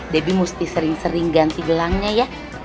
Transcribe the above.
debbie mesti sering sering ganti gelangnya ya